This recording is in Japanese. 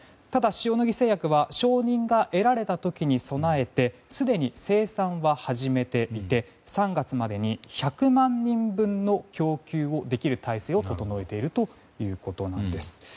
ただ、塩野義製薬は承認が得られた時に備えてすでに生産は始めていて３月までに１００万人分の供給をできる体制を整えているということです。